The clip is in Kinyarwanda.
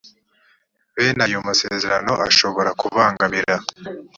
bene ayo masezerano ashobora kubangamira